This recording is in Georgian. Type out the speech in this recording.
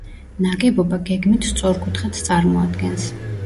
ნაგებობა გეგმით სწორკუთხედს წარმოადგენს.